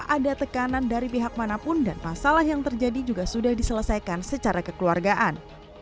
ada tekanan dari pihak manapun dan masalah yang terjadi juga sudah diselesaikan secara kekeluargaan